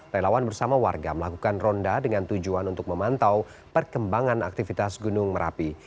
relawan bersama warga melakukan ronda dengan tujuan untuk memantau perkembangan aktivitas gunung merapi